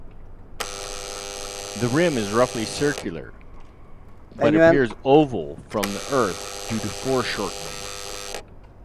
The rim is roughly circular, but appears oval from the Earth due to foreshortening.